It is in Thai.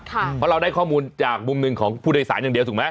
เพราะเราได้ข้อมูลจากมุมหนึ่งของผู้โดยสารอย่างเดียวถูกไหม